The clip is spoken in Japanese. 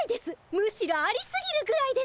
むしろありすぎるぐらいですよ！